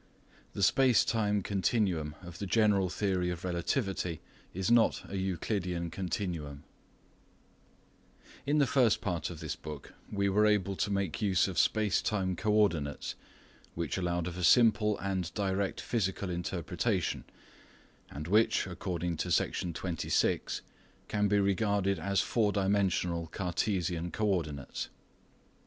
THE SPACE TIME CONTINUUM OF THE GENERAL THEORY OF REALTIIVTY IS NOT A ECULIDEAN CONTINUUM In the first part of this book we were able to make use of space time co ordinates which allowed of a simple and direct physical interpretation, and which, according to Section 26, can be regarded as four dimensional Cartesian co ordinates.